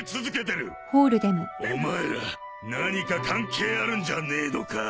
お前ら何か関係あるんじゃねえのか？